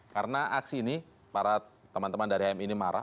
karena aksi ini para teman teman dari hmi ini marah